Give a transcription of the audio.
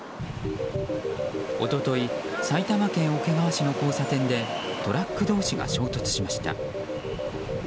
一昨日、埼玉県桶川市の交差点でトラック同士が衝突しました。